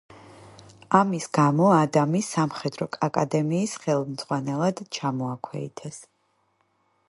ამის გამო ადამი სამხედრო აკადემიის ხელმძღვანელად ჩამოაქვეითეს.